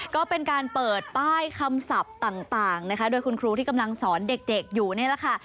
ก็เป็นการเปิดป้ายคำศัพท์ต่างนะคะโดยคุณครูที่กำลังสอนเด็กอยู่นี่แหละค่ะ